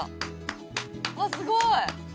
あっすごい！